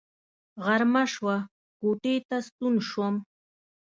غرمه شوه کوټې ته ستون شوم.